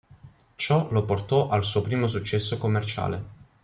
Ciò lo porto al suo primo successo commerciale.